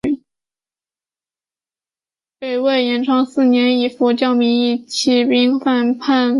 北魏延昌四年以佛教名义起兵反抗北魏统治。